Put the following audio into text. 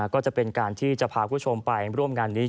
ก็จะเป็นการที่จะพาคุณผู้ชมไปร่วมงานนี้